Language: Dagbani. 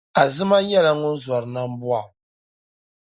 Azima nyɛla ŋun zɔri nambɔɣu.